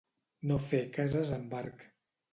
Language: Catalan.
No fer cases amb arc.